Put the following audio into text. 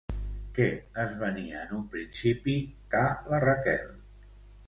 Què es venia en un principi Ca la Raquel?